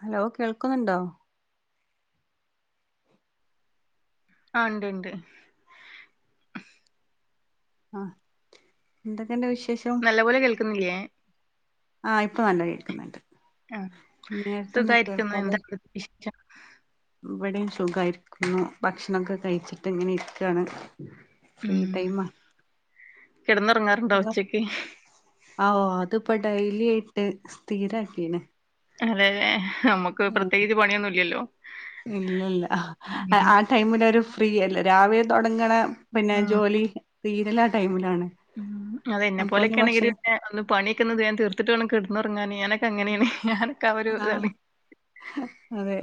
Hello കേൾക്കുന്നുണ്ടോ? ആഹ് ഇണ്ട്ണ്ട്. ആഹ് എന്തൊക്കെണ്ട് വിശേഷം? നല്ല പോലെ കേൾക്കുന്നില്ലേ. ആഹ് ഇപ്പ നല്ല കേക്ന്ന്ണ്ട്. ആഹ് സുഖായിരിക്കുന്നു. കേൾക്കാതെ എന്താ [unintelligible] ഇവിടെയും സുഖായിരിക്കുന്നു. ഭക്ഷണൊക്കെ കഴിച്ചിട്ട് ഇങ്ങനെ ഇരിക്കാണ്. ഫ്രീ ടൈമാ. കെടന്നൊറങ്ങാറുണ്ടൊ ഉച്ചക്ക്? ആഹ്ഓഹ് അത്പ്പ ഡെയ്ലി ആയിട്ട് സ്ഥിരാക്കീണ്. അതെന്നെ ഹമു [unintelligible] ഇല്ലല്ല. അ ടൈമിലൊരു ഫ്രീ അല്ലേ രാവിലെ തുടങ്ങ്ണ പിന്നെ ആഹ് ജോലി തീരല് ആ ടൈമിലാണ്. അതെ ഇന്നെ അപ്പൊ ഒന്ന് പോലൊക്കേണെങ്കില് ഭക്ഷണം പിന്നെ ഒന്ന് പണിക്കൊന്ന് വേം തീർത്തിട്ട് വേണം കെട്ന്നൊർങ്ങാന് ഞാനൊക്കെ അങ്ങനേണെ. [unintelligible] ആഹ് ഒരുതാണ്. അതെ.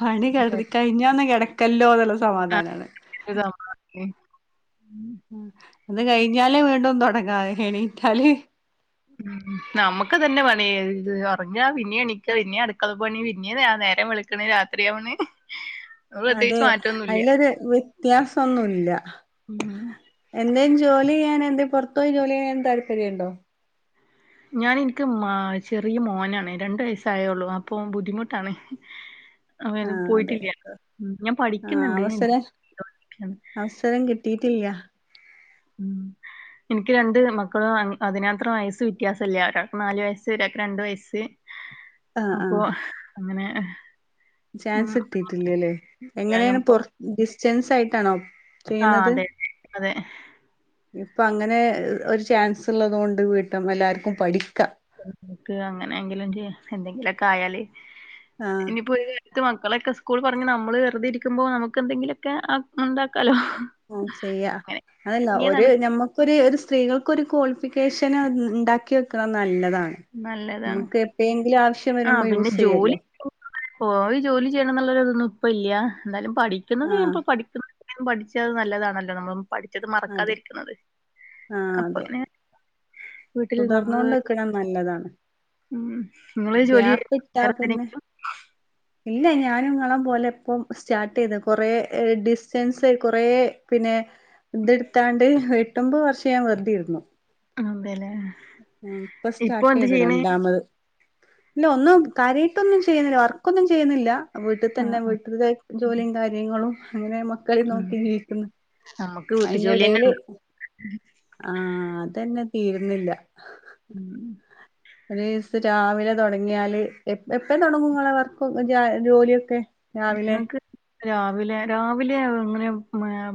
പണി കട്തി കഴിഞ്ഞാ ഒന്ന് കെടക്കല്ലോ ന്ന്ള്ള സമാധാനാണ്. [unintelligible] ആഹ് അത് കഴിഞ്ഞാലേ വീണ്ടും തുടങ്ങാ എണീറ്റാല്. ഉം നമുക്ക് ഇതന്നെ പണി. ഇത് ഒറങ്ങാ പിന്നി എണീക്കാ പിന്നി അടുക്കള പണി പിന്നി നെ നേരം വെള് ക്ക്ണ് രാത്രിയാവ്ണ്. അതെ അയ്ലൊര് വ്യത്യാസംന്നുല്ല. ഉം എന്തേം ജോല്യെയ്യാൻ എന്തേം പൊർത്തോയി ജോല്യെയ്യാൻ താൽപര്യണ്ടോ? ഞാന് ഇൻക്ക് മാ ചെറിയ മോനാണ്. രണ്ട് വയസ്സായൊള്ളു അപ്പം ബുദ്ധിമുട്ടാണ്. അവന് ആഹ് അതെ പോയിട്ടില്ല ഉം. ഞാൻ ആഹ് പഠിക്കുന്നുണ്ട് ഞാൻ അവസര ചെയ്തോണ്ടിരിക്കയാണ്. അവസരം കിട്ടീട്ടില്ല്യ. ഉം ഇൻക്ക് രണ്ട് മക്കളും അങ് അതിനാത്രം വയസ്സ് വ്യത്യാസല്യ. ഒരാൾക്ക് നാല് വയസ്സ് ഒരാക്ക് രണ്ട് വയസ്സ്. [inaudible] അപ്പൊ ആഹ് അങ്ങനെ. ചാൻസ് ഉം, കിട്ടീട്ടില്ല ല്ലേ, ഞാൻ എങ്ങനേണ് പ- പൊർ ഡിസ്റ്റൻസ് ആയിട്ടാണോ ആ ചെയ്യുന്നത്? അതെ അതെ ഇപ്പ അങ്ങനെ ഒരു ചാൻസ് ഇള്ളതോണ്ട് വീട്ടം എല്ലാർക്കും പഠിക്കാ. ഇൻക്ക് അങ്ങനെങ്കിലും ചെയ്യ എന്തെങ്കിലൊക്കായാല്. ആഹ് ഇനി പോയി ക ത്ത് മക്കളെക്കെ സ്കൂൾ പറഞ്ഞ് നമ്മള് വെറുതെ ഇരിക്കുമ്പോ നമുക്ക് എന്തെങ്കിലൊക്കെ ആ ഉണ്ടാക്കാലോ. ആഹ് ചെയ്യാ അങ്ങനെ അതല്ല ഒരു തുടങ്ങിയതാണ് ഞമ്മ ക്കൊര് ഒര് സ്ത്രീകൾക്കൊര് ക്വാളിഫിക്കേഷൻ ഇണ്ടാക്കി വെക്ക്ണത് നല്ലതാണ്. നമുക്ക് എപ്പെഴേങ്കിലു ആവശ്യ ആ പിന്നെ ജോലി പോയി ജോലി ചെയ്യണംന്നുള്ളരുതൊന്നും ഇപ്പല്യ എന്തായാലും പഠി ആഹ് [unintelligible] പഠിക്കുന്നും പഠിച്ചത് നല്ലതാണല്ലോ നമ്മളെ പഠിച്ചത് അതെ മറക്കാതിരിക്കുന്നത് അപ്പങ്ങനെ. തുടർന്നോണ്ട്ക്ക്ണത് നല്ലതാണ്. ഉം നിങ്ങള് ജോലി ചെയ്യുന്നു ഗ്യാപ്പിട്ടാ വേറെ പിന്നെ. എന്തിനെങ്കിലും ഇല്ല ഞാനുംങ്ങളം പോലെ ഇപ്പം സ്റ്റാർട്ട് ചെയ്ത് കുറേ ഡിസ്റ്റൻസ് കുറേ പിന്നെ. ത്ട്ത്താണ്ട് എട്ടൊമ്പത് വർഷം ഞാ വെറുതെര്ന്നു അതെലെ. ഉം ഇപ്പൊ സ്റ്റാർട്ടെയ്തു രണ്ടാമത്. ല്ല ഒന്നും കാര്യായ്ട്ടൊന്നും ചെയ്യുന്നില്ല വർക്കൊന്നും ചെയ്യുന്നില്ല വീട്ടിൽ ആഹ് തന്നെ ആഹ് വീട്ടിലെ ജോലിയും കാര്യങ്ങളും അങ്ങനെ മക്കളീം ഉം നോക്കി ജീവിക്കുന്നു നമ്മുക്ക് വീട്ടു ജോലി തന്നെ അയ്ന്റെടീൽ. ഉണ്ട് ആഹ് അതന്നെ തീരുന്നില്ല. ഉം ഉം. ഒരീസ രാവിലെ തുടങ്ങിയാല് എഎപ്പ തുടങ്ങുംങ്ങളെ വർക്കും ജോലിയൊക്കെ. രാവിലെ ഞമ്മക്ക്. രാവിലെ രാവിലെ ഇങ്ങനെ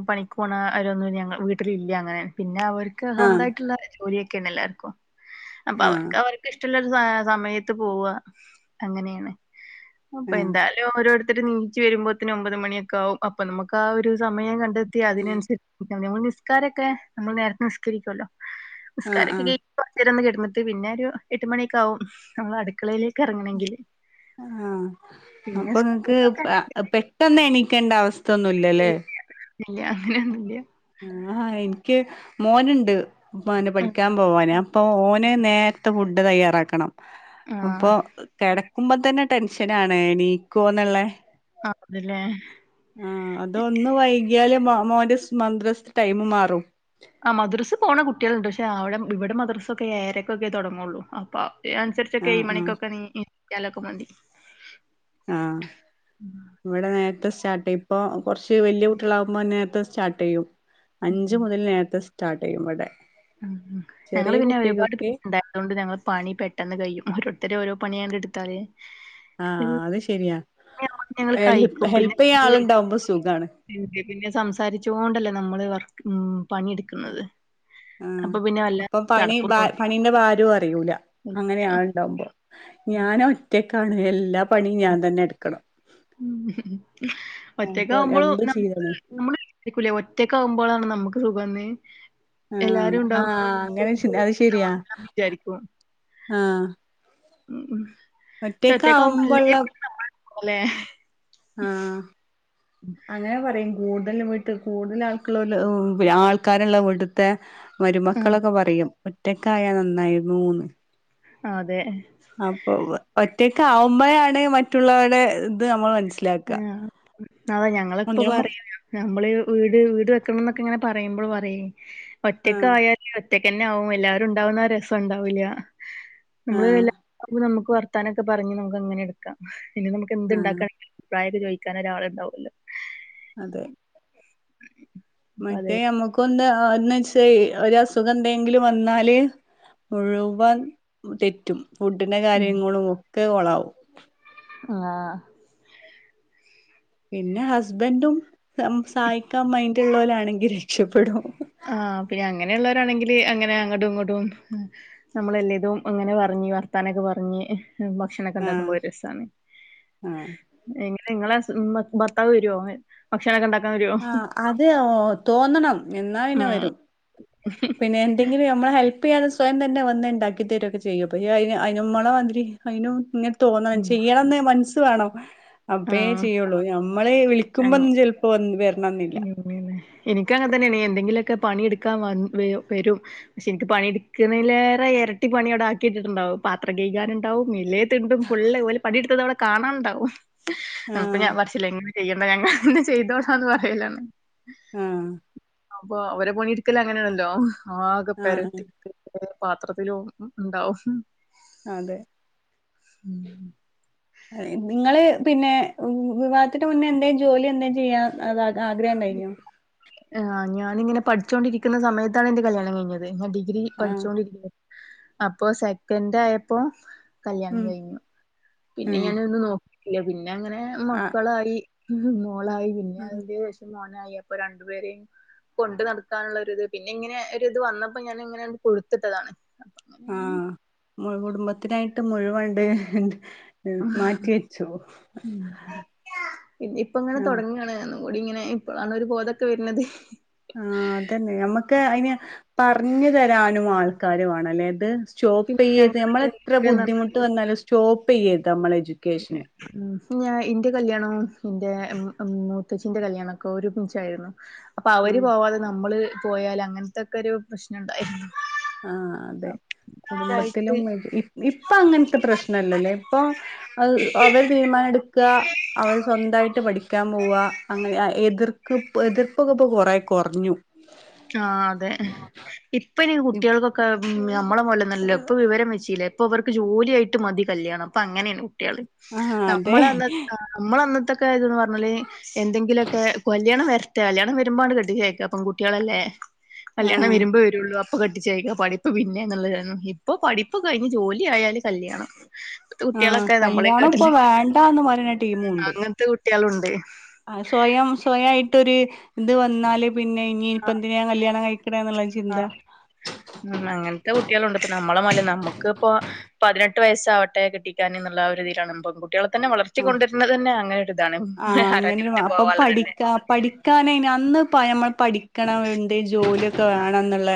പണിക്ക് പോണ അവരൊന്നും ഞങ്ങ വീട്ടിലില്ല അങ്ങനെ. പിന്നെ അവർക്ക് ആ സ്വന്തമായിട്ടുള്ള ജോലിയൊക്കെണ് എല്ലാർക്കും അപ്പൊ ആ അവർക്ക് അവർക്ക് ഇഷ്ടള്ളൊരു സ സമയത്ത് പോവ അങ്ങനെണ്. അപ്പൊ എന്തായാലും ഓരോരുത്തര് നീച്ചു വരുമ്പോത്തിന് ഒമ്പത് മണിയൊക്കെ ആവും അപ്പൊ നമുക്ക് ആ ഒരു സമയങ്ങട്ട്. അതിനനുസരി നിസ്കാരംക്കെ നമ്മൾ നേരത്തെ നിസ്കരിക്കല്ലോ ആ ആ ആ നിസ്കാരൊക്കെ കൈ. കൊറച്ചെരംന്ന് കിടന്നിട്ട് പിന്നെരു എട്ട് മണിയൊക്കെയാവും ഞങ്ങൾ അടുക്കളേലേക്ക് ഇറങ്ങണങ്കില്. ആഹ് അപ്പൊങ്ങക്ക് സ്കൂളൊക്കെ പെട്ടെന്ന് എണീക്കണ്ട അവസ്ഥ ഒന്നുല്ലല്ലേ. ല്ല്യ അങ്ങനെയൊന്നും ഇല്ല്യ. ആഹ് എനിക്ക് മോന്ണ്ട് ഉം പഠിക്കാൻ പോവാന് അപ്പൊ ഓന് നേര ത്ത ഫുഡ് തയ്യാറാക്കണം ആഹ് അപ്പൊ. കേടക്കുമ്പോ തന്നെ ടെൻഷനനാണ് എണീക്കോന്ന്ള്ളെ. ആ ത്‌ലെ. ആഹ് അതൊന്ന് വൈകിയല് മാ മോന്റെ മദ്രസ്സ്തെ ടൈമ് മാറും. ആഹ് മദ്രസ് പോണ കുട്ടിയാളുണ്ട് പക്ഷെ ആ വിടെ ഇവിടെ മദ്രസൊക്കെ ഏഴരക്കൊക്കെ തുടങ്ങുള്ളൂ അപ്പൊ അതിന് അനുസരി ച്ച് ആഹ് ആഹ് എഴുമണിക്കൊക്ക നീചാലൊക്കെ മതി ആഹ് ഉം ഇവടെ നേരത്തെ സ്റ്റാർട്ടെയ്യും. പ്പൊ കുർച്ച് വല്യയ കുട്ടികളാകുമ്പോൾ നേരത്തെ സ്റ്റാർട്ട് ചെയ്യും അഞ്ചു മുതൽ നേരത്തെ സ്റ്റാർട്ടെയ്യും വടെ ഉം ഉം ഞങ്ങള് പിന്നെ ഒരുപാട് [unintelligible] അതുകൊണ്ട് ഞങ്ങളെ പണി പെട്ടെന്ന് കഴിയും ഓരോരുത്തര് ഓരോ പണിയങ്ങട്ട് ഇടുത്താല്. ആഹ് അത് ശരിയാ [unintelligible] ഞങ്ങൾ ഹെൽപ് കഴിക്കും ഹെൽപ് ചെയ്യാൻ [unintelligible] ആളുണ്ടാവുമ്പോ സുഖാണ് പിന്നെ സംസാരിച്ചോണ്ടല്ലേ നമ്മള് വർക്ക് ഉം പണിയെടുക്കുന്നത്. ആഹ് അപ്പൊ പിന്നെ വല്ല അപ്പം പണി ചടപ്പും ബാ തോന്നില്ല പിന്നെ ഭാരും അറിയുല അങ്ങനെ ആള് ഇണ്ടാവുമ്പോ ഞാൻ ഒറ്റക്കാണ് എല്ലാം. പണി ഞാൻ തന്നെടുക്കണം അപ്പൊ എന്ത് ചെയീത്‌ നമ്മൾ ചിന്തിക്കൂലേ ഒറ്റക്ക ആവുമ്പോഴാണ് നമുക്ക് സുഖന്ന്. ആഹ് ആഹ് അങ്ങനെ അത് എടുത്താ ശരിയാ മതി എന്ന് വിചാരിക്കും ആഹ് ഇച്ച് ഒറ്റക്കാവുംബോ എല്ലെ ഒറ്റക്കാവുമ്പള്ള പണിയും നമ്മൾ ഇട്ക്കണ ലേ ആഹ്. ഉം. അങ്ങനെ പറയും കൂടുതൽ വീട്ട് കൂടുതൽ ആൾക്ക് ആൾക്കാരള്ള വീട്ട്ത്തെ. മരുമക്കളൊക്കെ പറയും ഒറ്റക്കായ നന്നായിയ്ന്നുന്ന്. അതെ. അപ്പൊ ഒറ്റക്കാവുമ്പഴാണ് മറ്റുള്ളവരുടെ ഇത് നമ്മൾ മനസ്സില. ആ അതാ ഞങ്ങളെ ഇപ്പ ഞമ്മ പറയും. നമ്മള് വീട് വീട് വെക്കണന്നൊക്കെ ങ്ങനെ പറയുമ്പോൾ പറയും ആഹ് ഒറ്റക്കായ. ഒറ്റയ്ക്കന്നെ ആവുംഎല്ലാവരും ഉണ്ടാവുന്ന രസം ഉണ്ടാവില്ല നമ്മള് ആഹ് അത് നമുക്ക് വർത്താനൊക്കെ പറഞ്ഞഞ് നമുക്കങ്ങനെ എടുക്കാം പിന്നെ നമുക്ക് ആഹ് എന്ത്ണ്ടാക്കാ അഭിപ്രായക്കെ ചോയിക്കാനൊരാള് ണ്ടാവല്ലോ. അതെ അപ്പൊ അതെ മറ്റേ നമ്ക്കൊന്ന് ആക്ന്ന്ച്ചെ ഒര സുഖന്തെങ്കിലും വന്നാല് മുഴുവൻ തെറ്റും ഫുഡിന്റെ കാര്യങ്ങളും ഒക്കെ കൊളാവും ആഹ് പിന്നെ ഹസ്ബൻഡും സം സഹായിക്കാൻ മയിന്റുള്ളോരാണെങ്കി രക്ഷപ്പെടും. ആഹ പിന്നെ അങ്ങനെയുള്ളോ രാണെങ്കില് അങ്ങനെ അങ്ങോട്ടും ഇങ്ങോട്ടും. നമ്മളെല്ലേതും അങ്ങനെ പറഞ്ഞ് വർത്താനൊക്കെ പറഞ്ഞ്. ഭക്ഷണൊക്കെ ഉണ്ടാക്കുമ്പോ ആഹ് ഒരു രസാണ്. ആഹ് എങ്ങനെ ങ്ങളെ അസ് ഭർത്താവെരോ ഭക്ഷണൊക്കെ ഉണ്ടാക്കാവെരോ. ആഹ് അത് തോന്നണം ന്നാ പിന്നെ ആഹ് വരും പിന്നെ എന്തെങ്കിലും മ്മളെ ഹെൽപ് ഇപ്പയാൾ സ്വയം തന്നെ വന്ന് ഉണ്ടാക്കി തരൊക്കെ ചെയ്യും. അയിന് മ്മളെ മാ തിരി അയിനും ഇങ്ങ്. തോന്നാൻ ചെയ്യണംന്ന് മനസ്സ് വേണം അപ്പേ ആഹ് ചെയ്യുള്ളൂ നമ്മള് വിളിക്കുമ്പോ ചെൽപ്പോ വരണംമെന്നില്ല. എൻക്കങ്ങനെ തന്നെണെ എന്തെങ്കിലുമൊക്കെ പണിയെടുക്കാൻ വരും. പക്ഷെ എനിക്ക് പണിയെ ടുക്കുന്നതിലേറെ എരട്ടി പണി അവിടാക്കിയിട്ടിട്ടുണ്ടാവും പാത്രകെയ്‌ കാനുണ്ടാവും. മേലെത്തിണ്ടും ഫുള്ള് ഒല് പണിയെടുത്തതവിടെ കാണാണ്ടാവും. ഇപ്പൊ ഞാൻ ആഹ് പറച്ചിലാ ങ്ങക്ക്‌ചെയ്യണ്ട കാര്യങ്ങൾചെയ്തോക്കാ പറയലാ. ആഹ്‌ അപ്പൊ അവരെപണിയെടുക്കല് അങ്ങനെയാണല്ലോ ആകെ ആഹ് പരത്തി കൊറേ പാത്രത്തിലും ഉണ്ടാവും. അതെ ങ്ങള് പിന്നെ വിവാഹത്തിന് മുന്നേ എന്തേ ജോലി എന്താ ചെയ്യാ. അത ആഗ്രണ്ടായിന്നോ. ആഞാനിങ്ങനെ പഠിച്ചോണ്ടിരിക്കുന്ന സമയത്താണ് എന്റെ കല്യാണം കഴിഞ്ഞത്. ഡിഗ്രി ആഹ് പഠിച്ചൊണ്ടിരിക്കുമ്പം അപ്പൊ സെക്കന്റായപ്പം. കല്ല്യാണം ഉം കഴിഞ്ഞു പിന്നെ ഉം ഞാനൊന്ന് നോക്കിട്ടില്ല പിന്നെ അങ്ങനെ ആഹ് മക്കളായി. പിന്നെ മോളായി പിന്നെയിന്റെഷം മോനായി അപ്പൊ രണ്ടുപേരേം കൊണ്ടു നടത്താനുള്ളത് പിന്നങ്ങനെ ഒര്ത് വന്നപ്പോ ഞാനിങ്ങനെ കൊടുത്തിട്ടതാണ്. ആഹ്‌ കുടുംബത്തിനായിട്ട് മുഴുവണ്ട്. മാറ്റിവെച്ചു ഇനിപ്പങ്ങനെ ആഹ് തുടങ്ങാണ്. കൂടിങ്ങനെ ഇപളാണ് ഒരു ബോധൊക്കെ വരുന്നത്. ആ ഹ്‌ അതന്നെ ഞമ്മക്ക് അയിന് പറ ഞ്ഞ്തരാനും മാൾക്കാര് വണല്ലേത് പിന്നെ സ്റ്റോപ്പെയരുത് മ്മള് ഞങ്ങള് എത്ര ബുദ്ധിമുട്ട് വന്നാലും സ്റ്റോപെയരുത് മ്മളെ എഡ്യൂക്കേഷന്. ഉംഹ് ഞാ ഇന്റെ കല്യാണം എന്റെ മൂത്തച്ചിന്റെ കല്യാണൊക്കൊ ഒരുമിച്ചായിരുന്നു. അപ്പൊ അവര് ആഹ് പോവാതെ നമ്മള് പോയാല് അങ്ങനത്തൊക്കെ ഒരു പ്രശ്നണ്ടായിരുന്നു. ആഹ്‌ അതെ കുടുംബത്തിലും ആയിട്ട് ഇപ്പൊ ങ്ങനത്തെ പ്രശ്നല്ലല്ലേ പ്പൊ അഹ് അവര് തീരുമാനം എടുക്ക അവർ സ്വന്തായിട്ട് പഠിക്കാൻ പോവ അങ്ങനെ എതിർ പ്പ് എതിർപ്പൊക്കെ പ്പൊ കൊറേ കൊറഞ്ഞു ആഹ്‌ അതെ ഇപ്പ ഇനി കുട്ടികൾക്കൊക്കെ ഉം ഞമ്മളെ പോലെന്നല്ലല്ലോ ഇപ്പൊ വിവരം വെച്ചിലേ ഇപ്പൊവർക്ക്‌ ജോലിയായിട്ട് മതി കല്യാണം ഇപ്പങ്ങനെയാണ് കുട്ടിയള് ആഹ് അതെ നമ്മളന്ന്‌ നമ്മളാന്നത്തൊക്കെന്നത് പറഞ്ഞാല് എന്തെങ്കിലൊക്കെ കല്യാണം വരട്ടെ കല്യാണം വരുമ്പങ്ങട്ട് കെട്ടിച്ചയക്ക പെൺകുട്ടി യാളല്ലേ കല്ല്യാണ ആഹ് വെരുമ്പോ വരു രുള്ളൂ അപ്പ കെട്ടിച്ചയക്ക പഠിപ്പ് പിന്നെ എന്നുള്ളതാരുന്നു ഇപ്പൊ പഠിപ്പ് കഴിഞ്ഞ് ജോലി ആയാല് കല്യാണം ഇപ്പത്തെ ആഹ് കുട്ടികളൊക്കെ നമ്മളെ കല്യാണം ഇപ്പൊ കാട്ടില് വേണ്ട എന്ന് പറയുന്ന ടീമുണ്ട് കുട്ട്യാളുണ്ട് ആഹ് സ്വയം സ്വയായിട്ടൊരു ഇത് വന്നാല് പിന്നെ ഇനിപ്പോ ആഹ് എന്തിനാ കല്യാണം കഴിക്കണെ എന്നുള്ള ആഹ് ചിന്ത ഉം അങ്ങനത്തെ കുട്ടികള് ഉണ്ട് ഇപ്പം നമ്മളെ മാരി അല്ല നമ്മക്ക് ഇപ്പൊ പതിനെട്ട് വയസ്സാവട്ടെ കെട്ടിക്കാന് എന്നുള്ള ആ ഒരുതിലാണ് [unintelligible] പെൺകുട്ടികളെ തന്നെ വളർത്തി ആ കൊണ്ടരുന്നത് തന്നെ അങ്ങനെ ഒരു ഇതാണ് ആരാൻ്റെ വിട്ടില് പോവാനുള്ള തല്ലെ പഠിക്കാന് ഇനി അന്ന് നമ്മള് പഠിക്കണം വേണ്ടി ജോലിയൊക്കെ വേണം എന്നുള്ള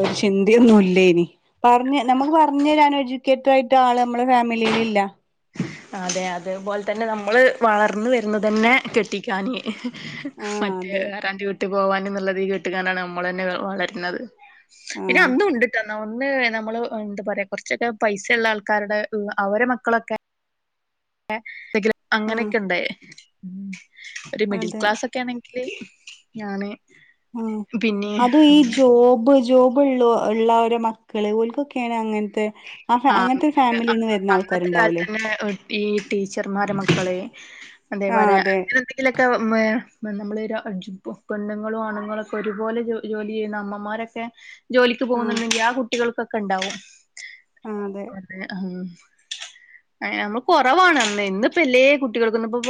ഒരു ചിന്തിയൊന്നും ഇല്ലായിനി പറഞ്ഞ് നമ്മക്ക് പറഞ്ഞ് തരാന് ഒരു എഡ്യൂക്കേറ്റഡ് ആയിട്ട് ആള് നമ്മളെ ഫാമിലിയിൽ ഇല്ല അതെ അതേപോലെ തന്നെ നമ്മള് വളർന്ന് വരുന്നത് തന്നെ കെട്ടി ക്കാന് ആഹ് മറ്റേ അതെ വേ [unintelligible] വീട്ടിൽ പോവാന് എന്നുള്ളതി കേട്ട് കാണ്ടാണ് നമ്മള് തന്നെ വളരുന്നത് പിന്നെ ആഹ് അന്നും ഉണ്ടുട്ടോ അന്നേ നമ്മള് എന്താ പറയാ കൊറച്ചൊക്കെ പൈസ ഉള്ള ആൾക്കാരുടെ അവരെ മക്കളൊക്കെ ആഹ് അങ്ങനെയൊക്കെ ഉണ്ടായെ ഒരു മിഡിൽ അതെ ക്ലാസ് ഒക്കെ ക്കയാണെങ്കില് ഞാന് ആഹ് പിന്നെ അതും ഈ ജോബ് ജോബ് ജോബുള്ള ഉള്ളരെ മക്കള് ഓൽക്കൊക്കെയാണ് അങ്ങനത്തെ അഹെ അങ്ങനത്തെ ഒരു ഫാമിലിന്ന് വരുന്ന ആൾക്കാരുണ്ടാവൂല്ലേ പിന്നെ ഒരു ടീ ടീച്ചർമാരെ മക്കള് ആഹ് അതേപോലെ അതെ ഇതിലൊക്കെ നമ്മള് പെണ്ണുങ്ങളും ആണുങ്ങളൊക്കെ ഒരുപോലെ ജോലി ചെയ്യുന്ന അമ്മമാരൊക്കെ ജോലിക്ക് ആഹ് പോകുന്നുണ്ടെങ്കിൽ ആ കുട്ടികൾക്കൊക്കെ ഇണ്ടാവും ആഹ് അതെ അതെ ആഹ് ഏഹ് നമ്മള് കൊറവാണ് അന്ന് ഇന്നിപ്പോ എല്ലേ കുട്ടികൾക്ക് ഇന്ന് ഇപ്പോ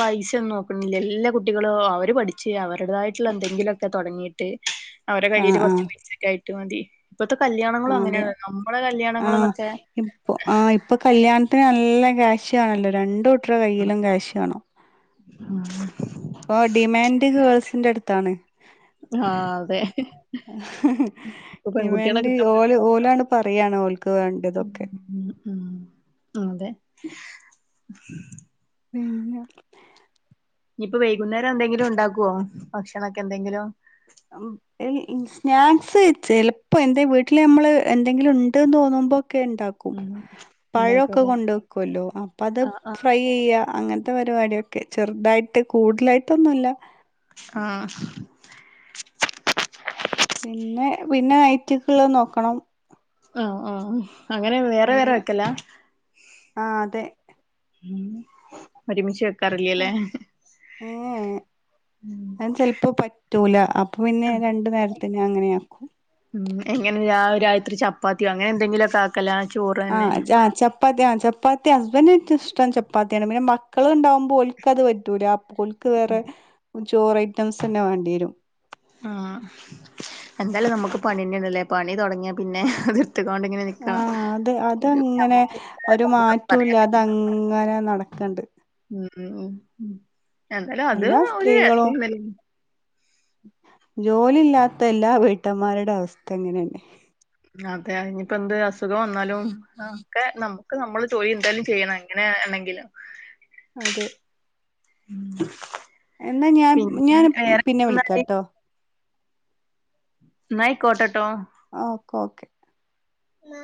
പൈസ ഒന്നും നോ ക്കണില്ല എല്ലാ കുട്ടികളും അവര് പഠിച്ച് അവരുടെതായിട്ടുള്ള എന്തെങ്കിലൊക്കെ തൊടങ്ങിട്ട് അവരുടെ കയ്യില് ആഹ് ആഹ് കൊറച്ച് പൈസക്കെ ആയിട്ട് മതി ഇപ്പത്തെ കല്യാണങ്ങളും അതെ അങ്ങനെയാണല്ലോ ആഹ് ഇപ്പൊ ആഹ് ഇപ്പൊ കല്യാണത്തിന് നല്ല ക്യാഷ് വേണല്ലോ രണ്ട് കൂട്ടര്ടെ കയ്യിലും ക്യാശ് വേണം ഇപ്പോ ഡിമാൻഡ് ഗേൾസിന്റെ അടുത്താണ് ആഹ് അതെ ഇപ്പൊ ഇവൻ പെൺകുട്ടികളെ കിട്ടാൻ പണി ഓല് ഓലാണ് പറയാണ് ഓല്ക്ക് വേണ്ടതൊക്കെ ഉം ഉം അതെ പിന്നെ ഇനി ഇപ്പ വൈകുന്നേരം എന്തെങ്കിലും ഉണ്ടാക്കുവോ ഭക്ഷണൊക്കെ എന്തെങ്കിലും [unintelligible] സ്നാക്സ് ചിലപ്പോ എൻ്റെ വീട്ടില് നമ്മള് എന്തെങ്കിലും ഉണ്ടെന്ന് തോന്നുമ്പോക്കെ ഉണ്ടാ കും ഉം പഴൊക്കെ ഉണ്ടാക്കൂല്ലേ കൊണ്ടക്കൊല്ലോ അപ്പതം ആഹ് ആഹ് ഫ്രൈയാ അങ്ങൻത്തെ പരിവാടിയൊക്കെ ചെർതായിട്ട് കൂട്തലായിട്ടൊന്നുല്ല ആഹ് പിന്നെ പിന്നെ ഐറ്റ്ക്ള്ളത് നോക്കണം ആഹ് ആഹ് അങ്ങനെ വേറെ വേറെ വെക്കലാ ആതെ ഉം ഒരുമിച്ച് വെക്കാറില്യലേ ഏ റ്റൂല അപ്പൊ പിന്നെ രണ്ട് നേര്ത്തിന് അങ്ങനെ ആക്കും ഉം എങ്ങനെ രാവ് രാത്രി ചപ്പാത്ത്യോ അങ്ങനെ എന്തെങ്കിലുക്കെ കലാ ചോറ് തന്നെ ആഹ് ചാച്ച പത്യാൻ ചപ്പാത്തി ഹസ്ബൻ്റ്ക്കിഷ്ട്ടം ചപ്പാത്ത്യാണ് പിന്നെ മക്കള്ണ്ടാവുമ്പോ ഓല്ക്കത് പറ്റൂല ഓൽക്ക് വേറെ ചോറ് ഐറ്റംസന്നെ വാണ്ട്യേരും ആഹ് എന്തായാലും നമുക്ക് പണിന്നേണ്ലേ പണി തൊടങ്ങ്യാ പിന്നെ നിർത്തി കൊണ്ടിങ്ങനെ ആഹ് അതെ അതങ്ങനെ ഇല്ലാത്ത ഒരു സങ്കടം പറയാ മാറ്റുംല്ല്യാതെ അങ്ങനെ നടക്കണ്ട് ഉം ഉം എന്തായാലു അത് എല്ലാ ഒരു അസ്തിമൻ ജോലില്ലാത്ത എല്ലാ വീട്ടമ്മാരുടെ അവസ്ഥ ഇങ്ങനെന്നെ അതെ ഇഞിപ്പന്ത് അസുഖം വന്നാലും ആഹ് ക്കെ നമുക്ക് നമ്മള് ജോലി എന്തായാലും ചെയ്യണം എങ്ങനെണെങ്കിലു അതെ ഉം എന്നാ ഞാം ഞാൻ പിന്നെ വിളിക്ക്യാട്ടോ ന്നയ്കോട്ടെട്ടോ ഓക്ക ഓക്കെ ന്നാ